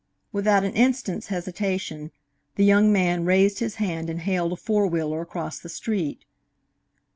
Without an instant's hesitation, the young man raised his hand and hailed a four wheeler across the street.